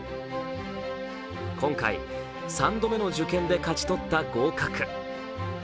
今回、３度目の受験で勝ち取った合格。